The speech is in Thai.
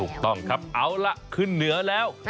ถูกต้องครับเอาล่ะขึ้นเหนือแล้ว